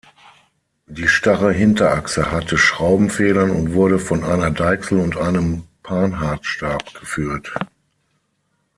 Die starre Hinterachse hatte Schraubenfedern und wurde von einer Deichsel und einem Panhardstab geführt.